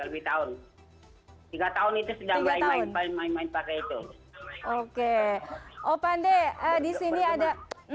lebih tahun tiga tahun itu sedang main main pakai itu oke opadah disini ada